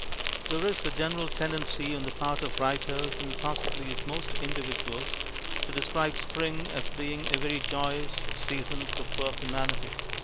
There is a general tendency on the part of writers, and possibly of most individuals, to describe spring as being a very joyous season for poor humanity.